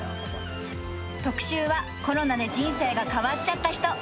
特集はコロナで人生が変わっちゃった人。